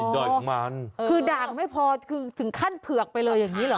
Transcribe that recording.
อ๋อคือด่างไม่พอถึงขั้นเผือกไปเลยอย่างนี้หรือ